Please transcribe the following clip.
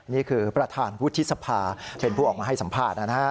นี่คือประธานวุฒิสภาเป็นผู้ออกมาให้สัมภาษณ์นะฮะ